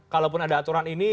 kalaupun ada aturan ini